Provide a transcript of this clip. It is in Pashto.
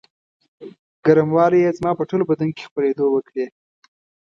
ګرموالي یې زما په ټول بدن کې خپرېدو وکړې.